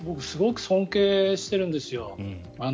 すごく尊敬しているんですよ。